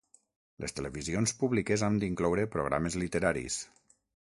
Les televisions públiques han d’incloure programes literaris.